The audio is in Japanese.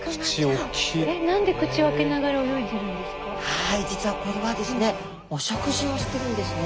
はい実はこれはですねお食事をしてるんですね。